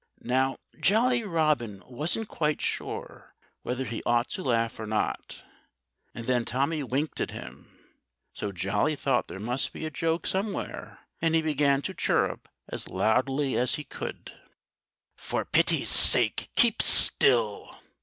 Now, Jolly Robin wasn't quite sure whether he ought to laugh or not. And then Tommy winked at him. So Jolly thought there must be a joke somewhere and he began to chirrup as loudly as he could. "For pity's sake, keep still!"